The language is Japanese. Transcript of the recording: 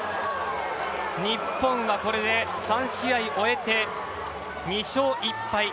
日本は、これで３試合終えて２勝１敗。